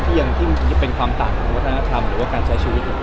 ที่ยังมีความต่างกับวัฒนธรรมหรือว่าการใช้ชีวิต